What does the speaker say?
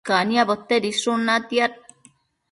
caniabo tedishun natiad